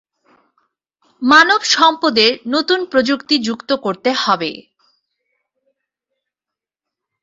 মানবসম্পদের নতুন প্রযুক্তি যুক্ত করতে হবে।